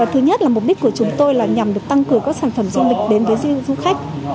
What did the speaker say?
thứ nhất là mục đích của chúng tôi là nhằm được tăng cưới các sản phẩm chung lịch đến với du khách